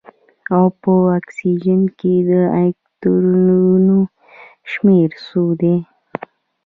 او په اکسیجن کې د الکترونونو شمیر څو دی